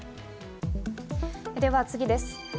では次です。